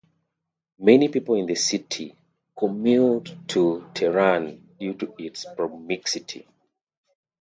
Many people in the city commute to Tehran due to its proximity.